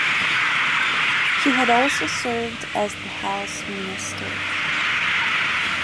He had also served as the health minister.